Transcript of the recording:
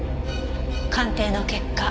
鑑定の結果